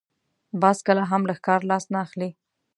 باز کله هم له ښکار لاس نه اخلي